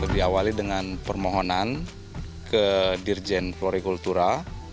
diawali dengan permohonan ke dirjen florikultura